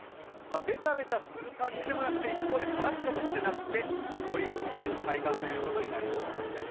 ベタベタする感じでもなくて一方で、カラッともしてなくて、ちょいムシくらいの体感ということになりそうなんですね。